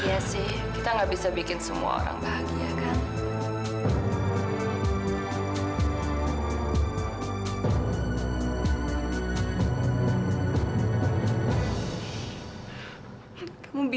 iya sih kita nggak bisa bikin semua orang bahagia kan